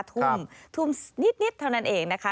ทุ่มทุ่มนิดเท่านั้นเองนะคะ